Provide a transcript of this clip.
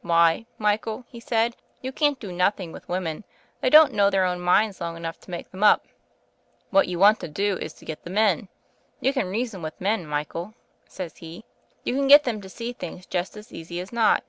Why, Michael,' he said, 'you can't do nothing with women; they don't know their own minds long enough to make them up. What you want to do is to get the men. You can reason with men, Michael,' says he. 'You can get them to see things just as easy as not.